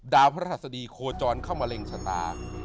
ดาวพระศัตริย์โคจรเข้ามาเร็งชะตา